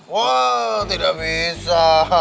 wah tidak bisa